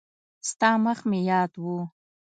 ستا مخ مې یاد و.